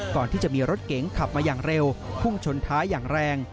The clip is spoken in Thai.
ก่อนที่จะมีรถเก๋งขับมาอย่างเร็วพุ่งชนท้ายอย่างแรง